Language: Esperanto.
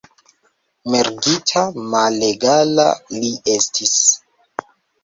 Mergita, malegala li estis!